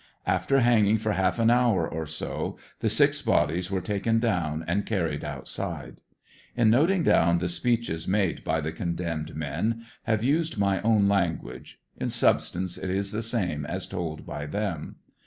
After hanging for half an hour or so the six bodies were ta ken down and carried outside. In noting down the speeches made by the condemned men, have used my own language; in substance it is the same as told by them.